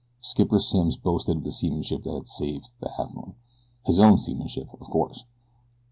Skipper Simms boasted of the seamanship that had saved the Halfmoon his own seamanship of course.